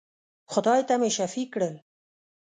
خدای ته مي شفېع کړل.